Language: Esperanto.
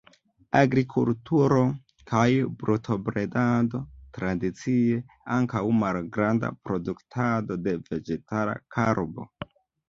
Agrikulturo kaj brutobredado tradicie, ankaŭ malgranda produktado de vegetala karbo.